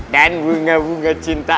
dan bunga bunga cinta